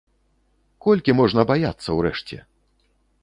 Колькі можна баяцца ўрэшце?